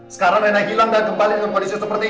sekarang rena hilang dan kembali dalam kondisi seperti ini